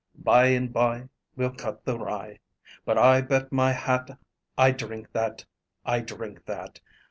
By and by, we'll cut the rye, But I bet my hat I drink that, I drink that.